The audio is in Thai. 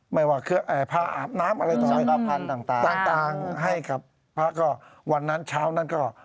สาวงค์ต่างให้กับพระก็วันนั้นเช้านั้นก็